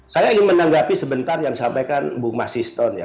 saya ingin menanggapi sebentar yang disampaikan bu mas iston ya